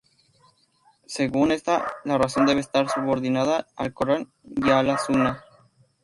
Según esta, la razón debe estar subordinada al Corán y a la Sunna.